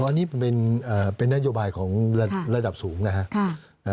อันนี้เป็นนโยบายของระดับสูงนะครับ